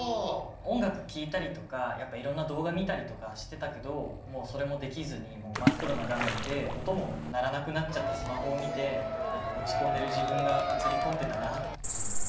音楽聴いたりとかいろんな動画見たりとかしてたけどもうそれもできずに真っ黒な画面で音も鳴らなくなっちゃったスマホを見て何か落ち込んでる自分が映り込んでたなっていう。